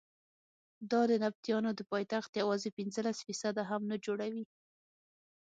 دا د نبطیانو د پایتخت یوازې پنځلس فیصده هم نه جوړوي.